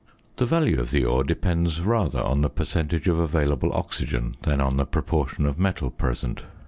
The value of the ore depends rather on the percentage of available oxygen than on the proportion of metal present.